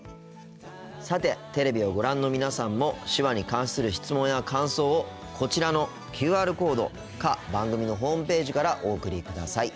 さてテレビをご覧の皆さんも手話に関する質問や感想をこちらのＱＲコードか番組のホームページからお送りください。